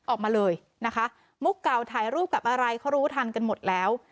ออกมาเลยนะคะมุกเก่าถ่ายรูปกับอะไรเขารู้ทันกันหมดแล้ว